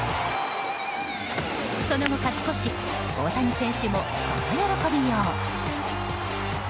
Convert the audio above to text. その後、勝ち越し大谷選手もこの喜びよう。